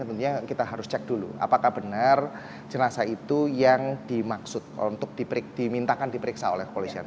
tentunya kita harus cek dulu apakah benar jenazah itu yang dimaksud untuk dimintakan diperiksa oleh kepolisian